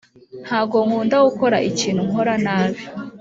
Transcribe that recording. ntago nkunda gukora ikintu nkora nabi